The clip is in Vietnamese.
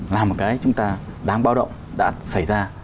là một cái chúng ta đang bao động đã xảy ra